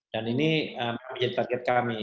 dan ini menjadi target kami